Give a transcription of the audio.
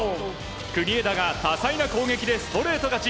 国枝が多彩な攻撃でストレート勝ち。